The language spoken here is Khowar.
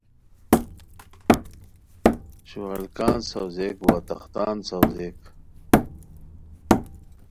شوالکان ساؤزئیک وا تختان ساؤزئیک